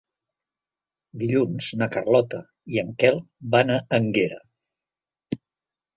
Dilluns na Carlota i en Quel van a Énguera.